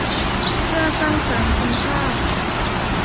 เพื่อสร้างสรรค์คุณค่า